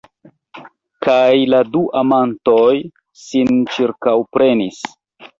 Kaj la du amantoj sin ĉirkaŭprenis.